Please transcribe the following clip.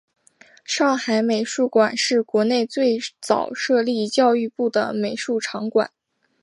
上海美术馆是国内最早设立教育部的美术场馆。